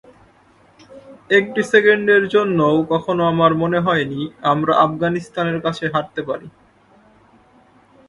একটি সেকেন্ডের জন্যও কখনো আমার মনে হয়নি, আমরা আফগানিস্তানের কাছে হারতে পারি।